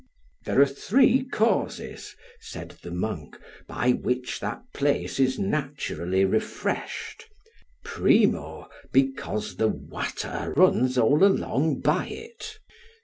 There are three causes, said the monk, by which that place is naturally refreshed. Primo, because the water runs all along by it.